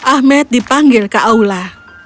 ahmed dipanggil ke aula